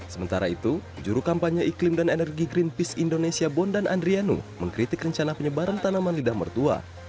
sementara itu juru kampanye iklim dan energi greenpeace indonesia bondan andrianu mengkritik rencana penyebaran tanaman lidah mertua